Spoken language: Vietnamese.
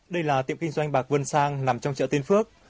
đây là tiệm kinh doanh bạc quân sang nằm trong chợ tiên phước